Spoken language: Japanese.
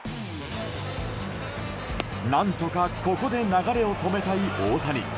何とかここで流れを止めたい大谷。